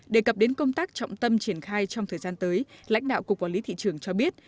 đề cập đến công tác trọng tâm triển khai trong thời gian tới lãnh đạo cục quản lý thị trường cho biết